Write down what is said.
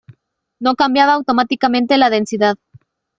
No cambiaba automáticamente la densidad.